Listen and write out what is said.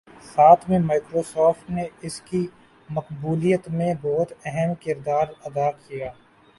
ساتھ ہی مائیکروسوفٹ نے اس کی مقبولیت میں بہت اہم کردار ادا کیا